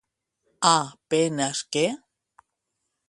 A penes que.